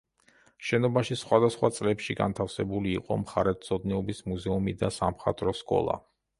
შენობაში სხვადასხვა წლებში განთავსებული იყო მხარეთმცოდნეობის მუზეუმი და სამხატვრო სკოლა.